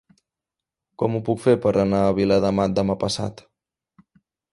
Com ho puc fer per anar a Viladamat demà passat?